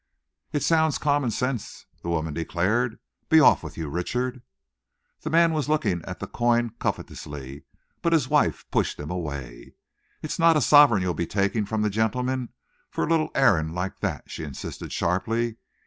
"It's sound common sense," the woman declared. "Be off with you, Richard." The man was looking at the coin covetously, but his wife pushed him away. "It's not a sovereign you'll be taking from the gentleman for a little errand like that," she insisted sharply.